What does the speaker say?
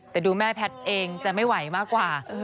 แต่ดูแม่แพทย์เองจะไม่ไหวมากกว่า